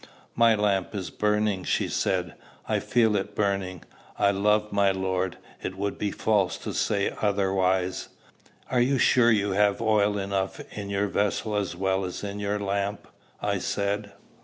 "My lamp is burning," she said; "I feel it burning. I love my Lord. It would be false to say otherwise." "Are you sure you have oil enough in your vessel as well as in your lamp?" I said.